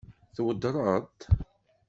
Tweddṛeḍ-t?